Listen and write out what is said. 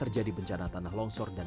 apa di serincil apa di sekolah